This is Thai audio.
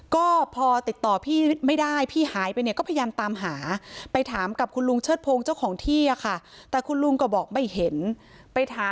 ก็พอติดต่อพี่ไม่ได้พี่หายไปก็พยายามหา